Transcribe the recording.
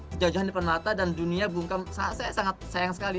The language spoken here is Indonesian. kejajahan depan mata dan dunia bungkam saya sangat sayang sekali